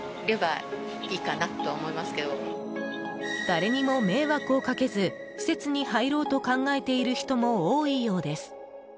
誰にも迷惑をかけず施設に入ろうと考えている人も多いようです。